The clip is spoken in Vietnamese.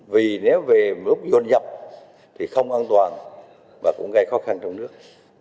vì nếu về một lúc dồn dập thì không an toàn và cũng gây khó khăn trong nước